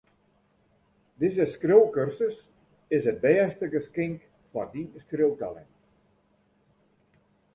Dizze skriuwkursus is it bêste geskink foar dyn skriuwtalint.